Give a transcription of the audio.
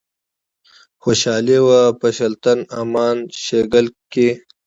خوشحالي وه په شُلتن، امان شیګل کښي